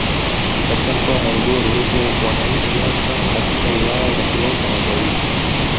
Katika mkoa wa Morogoro huko wanaishi hasa katika wilaya za Kilosa na Gairo